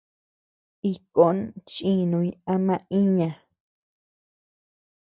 Iñkon chinuñ ama iña.